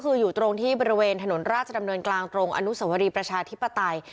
คืออยู่ตรงที่บริเวณถนนราชดำเนินกลางตรงอนุสวรีประชาธิปไตย